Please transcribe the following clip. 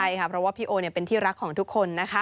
ใช่ค่ะเพราะว่าพี่โอเป็นที่รักของทุกคนนะคะ